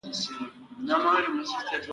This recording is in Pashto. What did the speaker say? آیا احمد شاه بابا په جرګه پاچا نه شو؟